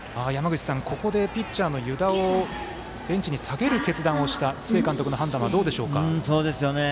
ここでピッチャーの湯田をベンチに下げる決断をした須江監督の判断はどうでしょうか。